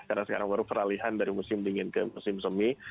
karena sekarang baru keralihan dari musim dingin ke musim semi